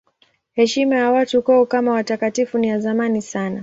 Heshima ya watu kwao kama watakatifu ni ya zamani sana.